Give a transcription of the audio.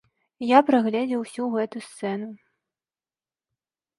Я прагледзеў усю гэту сцэну.